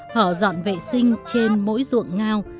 họ dọn vệ sinh trên mỗi ruộng ngao